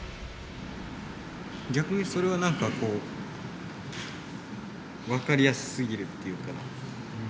逆にそれは何かこう分かりやすすぎるっていうか。